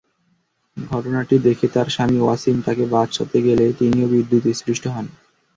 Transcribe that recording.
ঘটনাটি দেখে তাঁর স্বামী ওয়াসিম তাঁকে বাঁচাতে গেলে তিনিও বিদ্যুৎস্পৃষ্ট হন।